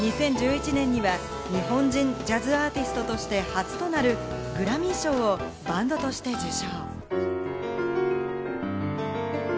２０１１年には日本人ジャズアーティストとして初となるグラミー賞をバンドとして受賞。